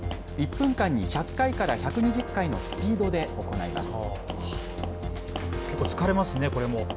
１分間に１００回から１２０回のスピードで行います。